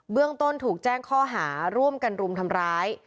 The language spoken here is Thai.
ต้นถูกแจ้งข้อหาร่วมกันรุมทำร้าย